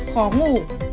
bảy khó ngủ